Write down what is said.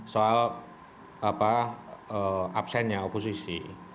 soal absennya oposisi